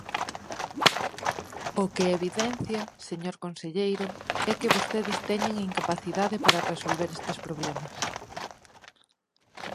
O que evidencia, señor conselleiro, é que vostedes teñen incapacidade para resolver estes problemas.